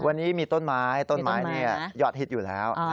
วันนี้มีต้นไม้ต้นไม้นี่ยอดฮิตอยู่แล้ว